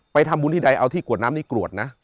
ไปทำบุญที่ใดเอาที่กรวดน้ำนี้กรวดนะ